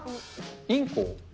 インコ？